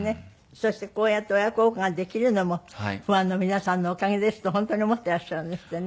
そしてこうやって親孝行ができるのもファンの皆さんのおかげですと本当に思っていらっしゃるんですってね。